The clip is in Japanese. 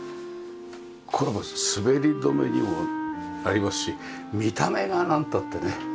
これ滑り止めにもなりますし見た目がなんたってね。